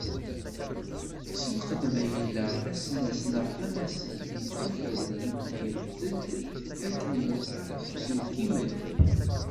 Senqed ma yella asnas neɣ amasal yettwafernen yebded akken iwata ɣef uselkim-agi.